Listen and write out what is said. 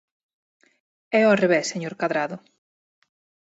É ao revés, señor Cadrado.